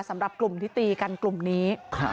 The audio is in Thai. สำหรับกลุ่มที่ตีกันกลุ่มนี้